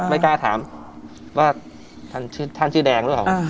ไม่กล้าถามว่าท่านชื่อแดงหรือเปล่า